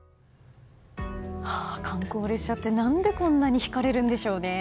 観光列車って何でこんなに引かれるんでしょうね。